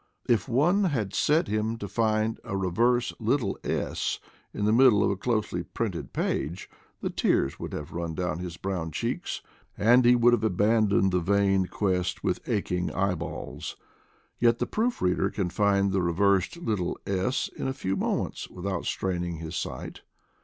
If one had set him to find a reversed little "s" in the middle of a closely printed page the tears would have run down his brown cheeks, and he would have aban doned the vain quest with aching eyeballs. Yet the proofreader can find the reversed little "s" in a few moments, without straining his sight.